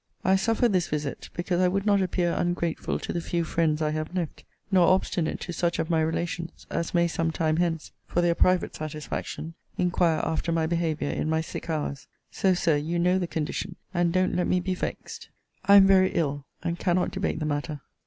I suffer this visit, because I would not appear ungrateful to the few friends I have left, nor obstinate to such of my relations, as may some time hence, for their private satisfaction, inquire after my behaviour in my sick hours. So, Sir, you know the condition. And don't let me be vexed. 'I am very ill! and cannot debate the matter.'